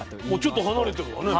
ちょっと離れてるわね。